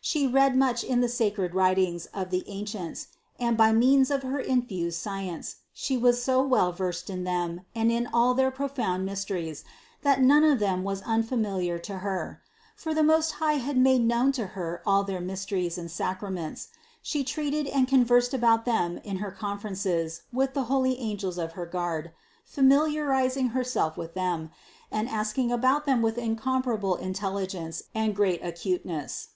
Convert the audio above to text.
She read much in the sacred writings of the ancients and, by means of her infused science, She was so well versed in them and in all their profound mys teries, that none of them was unfamiliar to Her; for the Most High made known to Her all their mysteries and sacraments ; She treated and conversed about them in her 368 CITY OF GOD conferences with the holy angels of her guard, familiariz ing Herself with them and asking about them with in comparable intelligence and great acuteness.